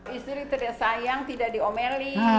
istri terasa sayang tidak diomelin